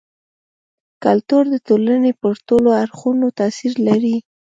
کلتور د ټولني پر ټولو اړخونو تاثير لري.